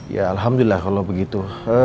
ya alhamdulillah kalau begitu